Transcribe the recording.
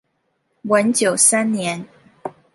文久三年。